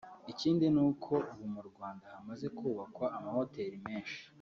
Ikindi ni uko ubu mu Rwanda hamaze kubakwa amahoteli menshi